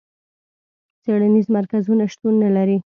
څېړنیز مرکزونه شتون نه لري.